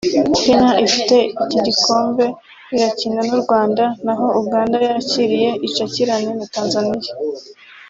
Kenya ifite iki gikombe irakina n’u Rwanda naho Uganda yakiriye icakirane na Tanzania